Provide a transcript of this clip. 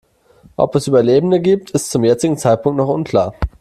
Ob es Überlebende gibt, ist zum jetzigen Zeitpunkt noch unklar.